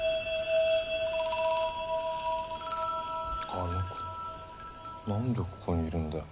あの子なんでここにいるんだよ。